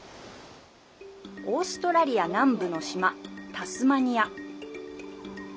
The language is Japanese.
オーストラリア南部の島タスマニア。